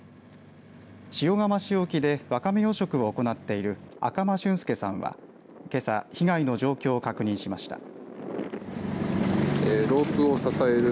塩釜市沖でワカメ養殖を行っている赤間俊介さんはけさ被害の状況を確認しました。